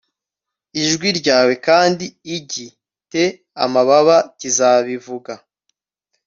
ijwi ryawe kandi igi te amababa kizabivuga